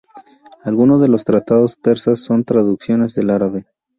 Algunos de los tratados persas son traducciones del árabe.